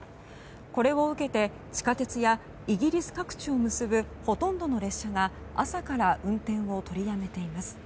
これを受けて地下鉄やイギリス各地を結ぶほとんどの列車が朝から運転を取りやめています。